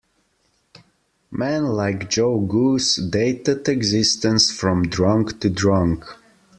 Men like Joe Goose dated existence from drunk to drunk.